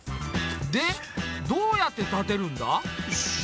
でどうやって立てるんだ？